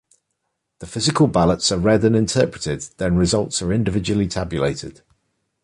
The physical ballots are read and interpreted; then results are individually tabulated.